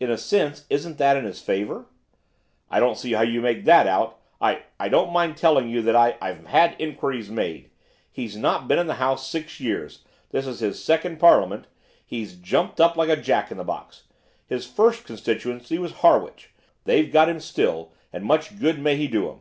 'In a sense, isn't that in his favour?' 'I don't see how you make that out. I I don't mind telling you that I I've had inquiries made. He's not been in the House six years this is his second Parliament he's jumped up like a Jack in the box. His first constituency was Harwich they've got him still, and much good may he do 'em!